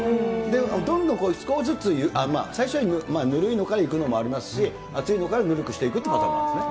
どんどん少しずつ、最初ぬるいのからいくのもありますし、熱いのからぬるくしていくというのもありますね。